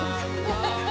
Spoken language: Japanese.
ハハハハ！